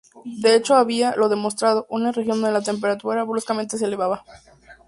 De hecho había, lo demostró, una región donde la temperatura bruscamente se elevaba.